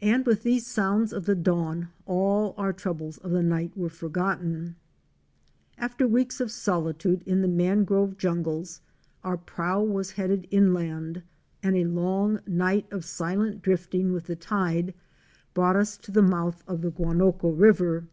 And with these sounds of the dawn all our troubles of the night were forgotten. After weeks of solitude in the mangrove jungles our prow was headed inland and a long night of silent drifting with the tide brought us to the mouth of the Guanoco River.